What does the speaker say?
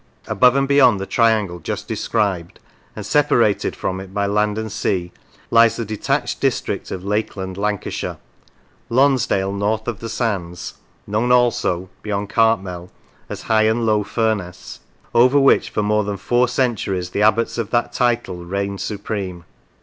Above and beyond the triangle just described, and separated from it by land and sea, lies the detached district of Lakeland Lancashire, Lonsdale north of the sands, known also (beyond Cartmel) as High and Low Furness, over which for more than four centuries the abbots of that title reigned supreme.